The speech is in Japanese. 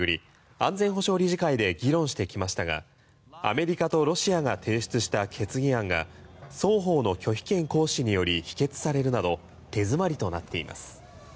安全保障理事会で議論してきましたがアメリカとロシアが提出した決議案が双方の拒否権行使により否決されるなど手詰まりとなっています。